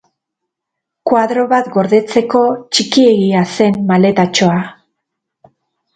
Koadro bat gordetzeko, txikiegia zen maletatxoa.